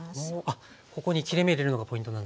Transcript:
あっここに切れ目入れるのがポイントなんですね。